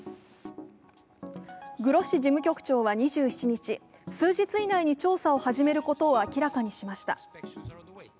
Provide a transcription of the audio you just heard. グロッシ事務局長は２７日、数日以内に調査を始めることを明らかにしました。